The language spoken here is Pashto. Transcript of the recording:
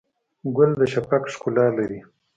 ګل د شفق ښکلا لري.